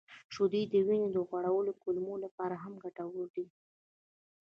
• شیدې د وینې د غوړ کمولو لپاره هم ګټورې دي.